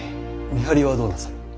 見張りはどうなさる。